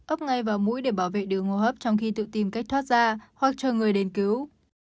ốc ngay vào mũi để bảo vệ đường hô hấp trong khi tự tìm cách thoát ra hoặc chờ người đến cứu